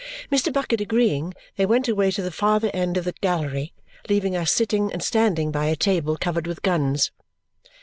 Mr. Bucket agreeing, they went away to the further end of the gallery, leaving us sitting and standing by a table covered with guns.